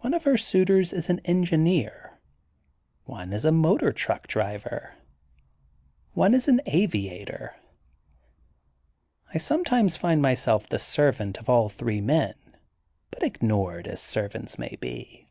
One of her suitors is an engineer. One is a motor truck driver. One is an aviator. I sometimes find myself the servant of all three men, but ignored as servants may be.